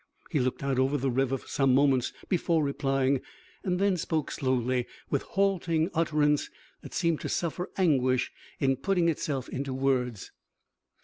He looked out over the river for some moments before replying and then spoke slowly, with halting utterance that seemed to suffer anguish in putting itself into words.